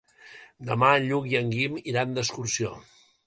Demà en Lluc i en Guim iran d'excursió.